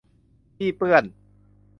ที่เปื้อน